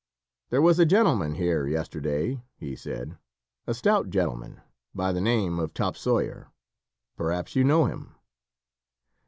"There was a gentleman here, yesterday," he said "a stout gentleman, by the name of Topsawyer perhaps you know him."